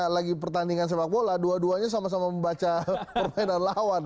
lagi pertandingan sepak bola dua duanya sama sama membaca permainan lawan